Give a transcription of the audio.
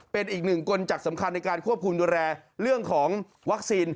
เป็นอีกหนึ่งกลจักรสำคัญในการควบคุมดูแลเรื่องของวัคซีน